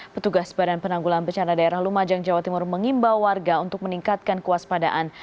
petugas badan penanggulan percana daerah lumajang jawa timur mengimbau warga untuk meningkatkan kuas padaan